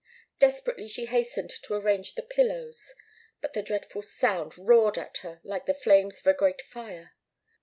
Desperately she hastened to arrange the pillows. But the dreadful sound roared at her like the flames of a great fire.